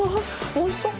おいしそう！